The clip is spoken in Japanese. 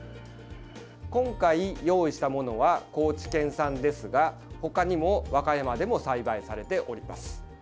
今回、用意したものは高知県産ですが他にも和歌山でも栽培されております。